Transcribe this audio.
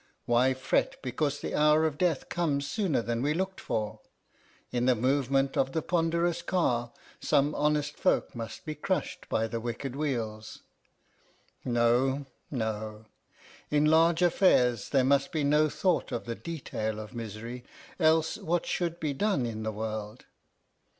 Why fret because the hour of death comes sooner than we looked for? In the movement of the ponderous car, some honest folk must be crushed by the wicked wheels. No, no, in large affairs there must be no thought of the detail of misery, else what should be done in the world!